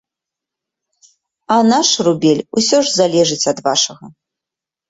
А наш рубель ўсё ж залежыць ад вашага.